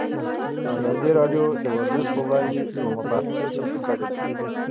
ازادي راډیو د ورزش پر وړاندې یوه مباحثه چمتو کړې.